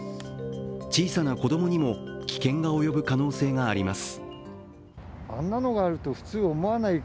小さな子供にも危険が及ぶ可能性があります。